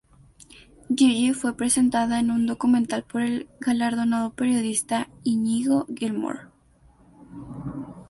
Gigi fue presentada en un documental por el galardonado periodista Iñigo Gilmore.